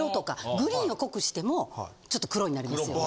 グリーンを濃くしてもちょっと黒になりますよね！